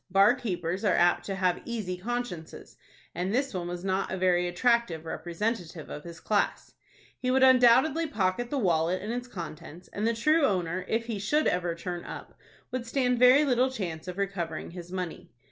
Bar keepers are apt to have easy consciences, and this one was not a very attractive representative of his class. He would undoubtedly pocket the wallet and its contents, and the true owner, if he should ever turn up, would stand very little chance of recovering his money.